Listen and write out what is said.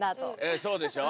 そうでしょう。